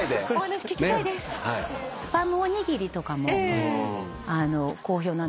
スパムおにぎりとかも好評なんです。